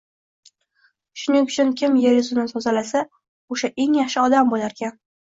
Shuning uchun kim yer yuzini tozalasa, o‘sha eng yaxshi odam bo‘larkan.